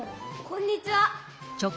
こんにちは。